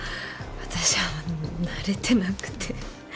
私慣れてなくて。